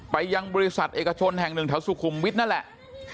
ไปยังบริษัทเอกชนแห่งหนึ่งแถวสุขุมวิทย์นั่นแหละ